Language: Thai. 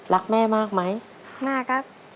รักแม่มากไหมมากครับ